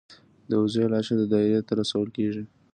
د وزې لاشه د دایرې ته رسول کیږي.